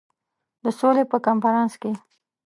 د سولي په کنفرانس کې.